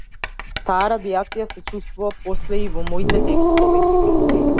Таа радијација се чувствува после и во моите текстови.